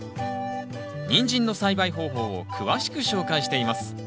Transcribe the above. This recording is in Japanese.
ニンジンの栽培方法を詳しく紹介しています。